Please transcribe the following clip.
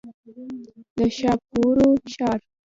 د ښاپورو ښار.